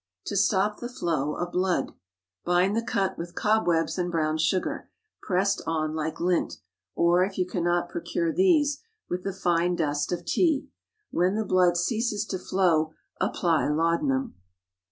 TO STOP THE FLOW OF BLOOD. Bind the cut with cobwebs and brown sugar, pressed on like lint. Or, if you cannot procure these, with the fine dust of tea. When the blood ceases to flow, apply laudanum.